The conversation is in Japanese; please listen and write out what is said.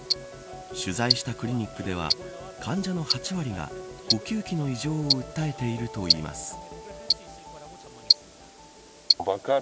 取材したクリニックでは患者の８割が呼吸器の異常を訴えているといいます。